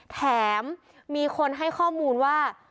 แถมมีคนให้ข้อมูลว่า